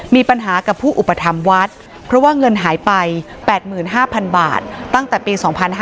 มีปัญหากับผู้อุปถัมภ์วัดเพราะว่าเงินหายไป๘๕๐๐๐บาทตั้งแต่ปี๒๕๕๙